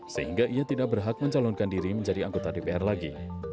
sehingga ia tidak berhak mencalonkan diri menjadi anggota dpr lagi